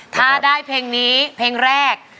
ถ้าได้เพลงนี้เพลงแรก